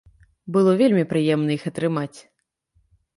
Было вельмі прыемна іх атрымаць.